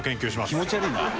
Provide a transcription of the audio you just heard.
気持ち悪いな！